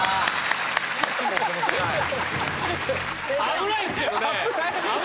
危ないですけどね。